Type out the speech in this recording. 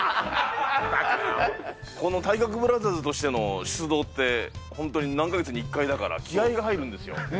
この体格ブラザーズとしての出動って、本当に何か月に１回だから、気合いが入るんですよ。